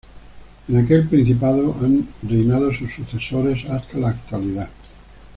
En aquel principado han reinado sus sucesores hasta la actualidad.